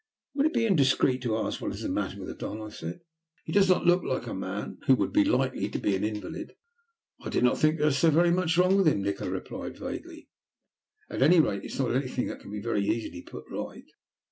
"Would it be indiscreet to ask what is the matter with the Don?" I said. "He does not look like a man who would be likely to be an invalid." "I do not think there is so very much wrong with him," Nikola replied vaguely. "At any rate it is not anything that cannot be very easily put right."